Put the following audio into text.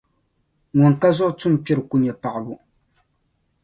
Ŋun ka zuɣu tum’ kpira ku nya paɣibu.